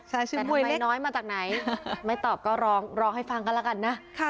แต่ทำไมน้อยมาจากไหน